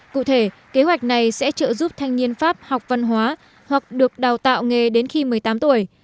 cụ thể kế hoạch này sẽ trợ giúp thanh niên pháp học văn hóa hoặc được đào tạo nghề đến khi một mươi tám tuổi